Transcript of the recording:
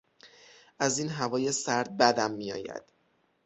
از این هوای سرد بدم می آید.